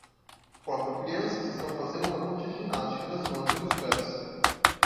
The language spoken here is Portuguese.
Quatro crianças estão fazendo uma ponte de ginástica nas mãos e nos pés.